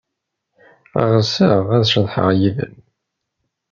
Ɣseɣ ad ceḍḥeɣ yid-m.